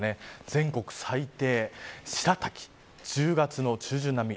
全国最低白滝、１０月の中旬並み。